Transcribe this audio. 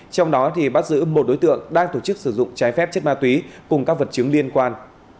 trong đó bắt giữ một đối tượng đang tổ chức sử dụng trái phép chất ma túy cùng các vật chứng liên quan